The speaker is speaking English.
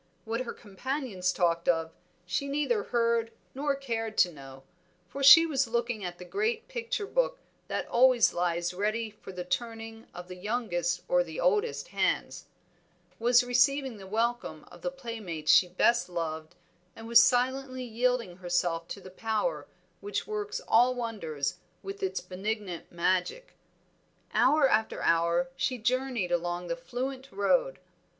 What her companions talked of she neither heard nor cared to know, for she was looking at the great picture book that always lies ready for the turning of the youngest or the oldest hands; was receiving the welcome of the playmates she best loved, and was silently yielding herself to the power which works all wonders with its benignant magic. Hour after hour she journeyed along that fluent road.